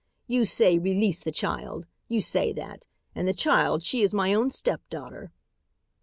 You say, 'release the child.' You say that. And the child, she is my own stepdaughter."